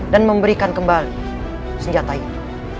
dan memberikan kembali senjata itu